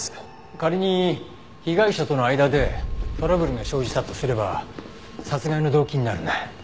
仮に被害者との間でトラブルが生じたとすれば殺害の動機になるね。